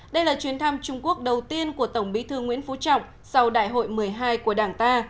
đây là chuyến thăm trung quốc đầu tiên của tổng bí thư nguyễn phú trọng sau đại hội một mươi hai của đảng ta